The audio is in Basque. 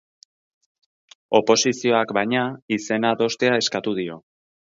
Oposizioak, baina, izena adostea eskatu dio.